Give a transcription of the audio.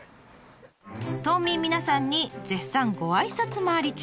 島民皆さんに絶賛ごあいさつ回り中。